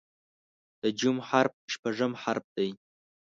د "ج" حرف شپږم حرف دی.